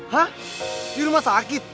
hah di rumah sakit